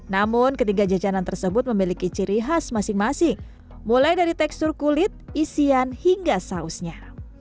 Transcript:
namun ketiga jajanan tersebut memiliki ciri khas masing masing mulai dari tekstur kulit isian hingga sausnya